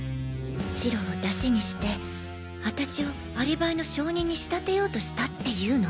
チロをダシにして私をアリバイの証人に仕立てようとしたって言うの？